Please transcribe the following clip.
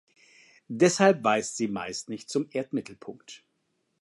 Deshalb weist sie meist nicht zum Erdmittelpunkt.